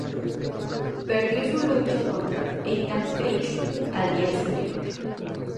Perdió su lucha contra Ethan Page al día siguiente.